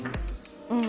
うん。